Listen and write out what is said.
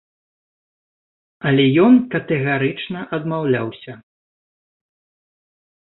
Але ён катэгарычна адмаўляўся.